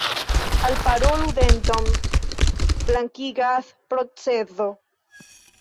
Alparolu denton blankigas procezo.